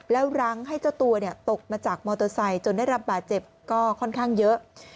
แล้วรั้งให้เจ้าตัวตกมาจากมอเตอร์ไซค์จนได้รับบาดเจ็บก็ค่อนข้างเยอะ